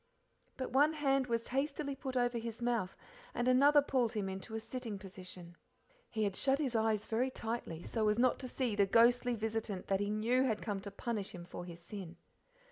But one hand was hastily put over his mouth and another pulled him into a sitting position. He had shut his eyes very tightly, so as not to see the ghostly visitant that he knew had come to punish him for his sin.